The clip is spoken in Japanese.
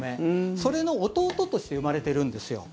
それの弟として生まれてるんですよ。